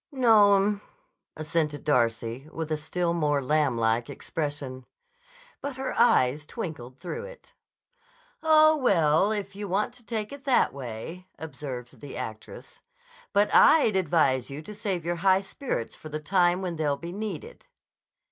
"No'm," assented Darcy with a still more lamblike expression. But her eyes twinkled through it. "Oh, well, if you want to take it that way," observed the actress. "But I'd advise you to save your high spirits for the time when they'll be needed."